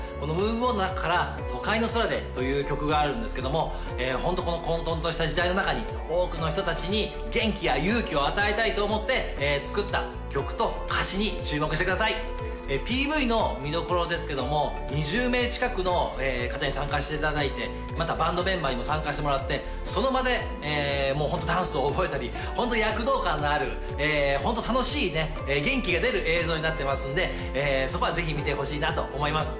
この「ＭｏｖｅＯｎ」の中から「都会の空で」という曲があるんですけどもホントこの混沌とした時代の中に多くの人達に元気や勇気を与えたいと思って作った曲と歌詞に注目してくださいＰＶの見どころですけども２０名近くの方に参加していただいてまたバンドメンバーにも参加してもらってその場でもうホントダンスを覚えたりホント躍動感のあるホント楽しいね元気が出る映像になってますんでそこはぜひ見てほしいなと思います